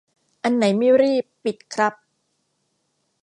อันไหนไม่รีบ ปิด ครับ